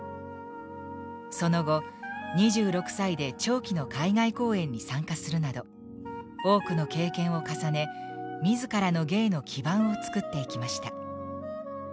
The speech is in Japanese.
その後２６歳で長期の海外公演に参加するなど多くの経験を重ね自らの芸の基盤を作っていきました。